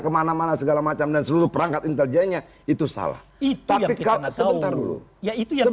kemana mana segala macam dan seluruh perangkat intelijenya itu salah itu sebentar dulu ya itu